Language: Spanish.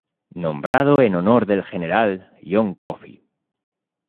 Nombrado en honor del General John Coffee.